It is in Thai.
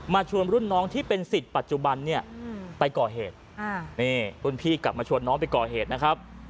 ชวนรุ่นน้องที่เป็นสิทธิ์ปัจจุบันเนี่ยไปก่อเหตุนี่รุ่นพี่กลับมาชวนน้องไปก่อเหตุนะครับ